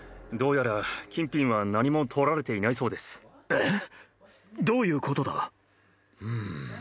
えっ！？